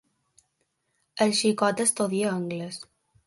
El xicot estudia anglés.